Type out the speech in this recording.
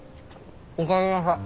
おかえりなさい。